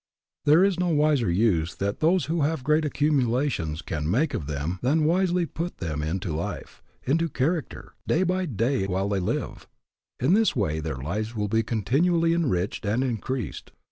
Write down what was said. There is no wiser use that those who have great accumulations can make of them than wisely to put them into life, into character, day by day while they live. In this way their lives will be continually enriched and increased.